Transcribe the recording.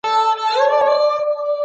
سفیران کله په سفارتونو کي کار پیلوي؟